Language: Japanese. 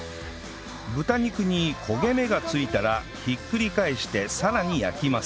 豚肉に焦げ目がついたらひっくり返してさらに焼きます